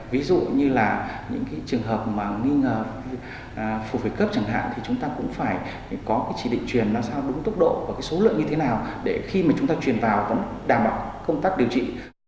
ví dụ như là những trường hợp mà nghi ngờ phủ phải cấp chẳng hạn thì chúng ta cũng phải có cái chỉ định truyền làm sao đúng tốc độ và cái số lượng như thế nào để khi mà chúng ta truyền vào vẫn đảm bảo công tác điều trị